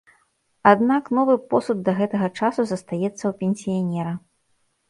Аднак, новы посуд да гэтага часу застаецца ў пенсіянера.